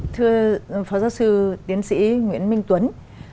thưa phó giáo sư tiến sĩ nguyễn minh tuấn